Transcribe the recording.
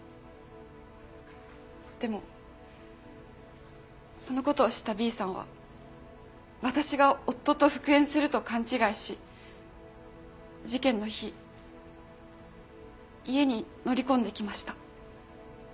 でもそのことを知ったＢさんは私が夫と復縁すると勘違いし事件の日家に乗り込んできました。